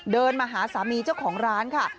เดินมาหาสามีเจ้าของร้านค่ะ